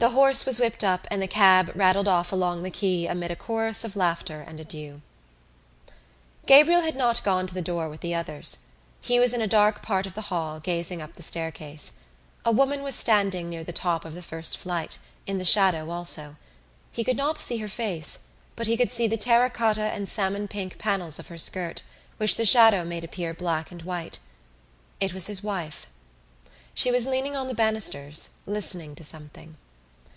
The horse was whipped up and the cab rattled off along the quay amid a chorus of laughter and adieus. Gabriel had not gone to the door with the others. He was in a dark part of the hall gazing up the staircase. A woman was standing near the top of the first flight, in the shadow also. He could not see her face but he could see the terracotta and salmon pink panels of her skirt which the shadow made appear black and white. It was his wife. She was leaning on the banisters, listening to something.